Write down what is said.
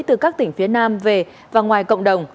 từ các tỉnh phía nam về và ngoài cộng đồng